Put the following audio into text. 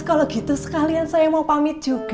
kalau gitu sekalian saya mau pamit juga